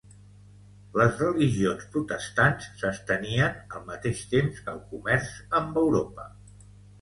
Les religions protestants s'estenien al mateix temps que el comerç amb Europa.